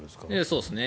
そうですね。